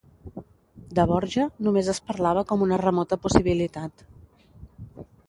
De Borja només es parlava com una remota possibilitat.